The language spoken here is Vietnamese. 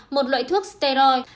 một loại thuốc steroid